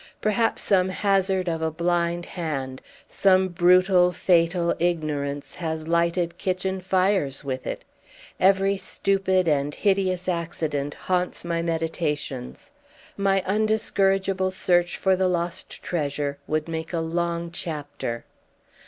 Perhaps some hazard of a blind hand, some brutal fatal ignorance has lighted kitchen fires with it. Every stupid and hideous accident haunts my meditations. My undiscourageable search for the lost treasure would make a long chapter.